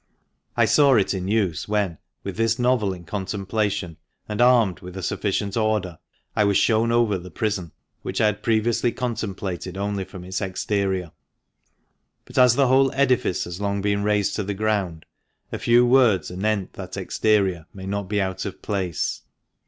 I saw it in use when, with this novel in contemplation, and armed with a sufficient order, I was shown over the prison, which I had previously contemplated only from its exterior. But as the whole edifice has long been razed to the ground, a few words anent that exterior may not be out ot place.